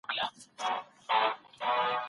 هوایي ځواکونو خپلواک عملیات ترسره کول.